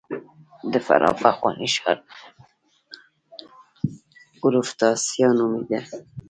د فراه پخوانی ښار پروفتاسیا نومېده